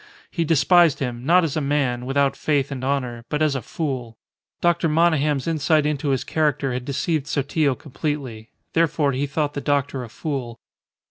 He despised him, not as a man without faith and honour, but as a fool. Dr. Monygham's insight into his character had deceived Sotillo completely. Therefore he thought the doctor a fool.